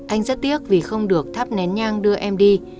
anh rất tiếc vì không được thắp nén nhang đưa em đi